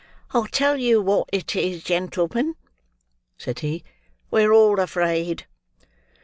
"I'll tell you what it is, gentlemen," said he, "we're all afraid."